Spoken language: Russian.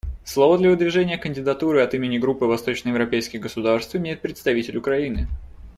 Слово для выдвижения кандидатуры от имени Группы восточноевропейских государств имеет представитель Украины.